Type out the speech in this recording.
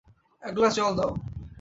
এক গ্লাস জল দাও।